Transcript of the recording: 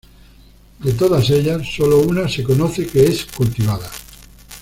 De todas ellas, solo una se conoce que es cultivada.